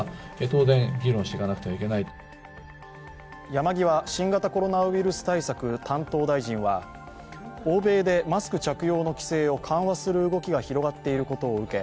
山際新型コロナウイルス対策担当大臣は欧米でマスク着用の規制を緩和する動きが広がっていることを受け